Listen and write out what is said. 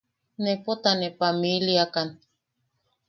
Nepo ta ne pamiliakan.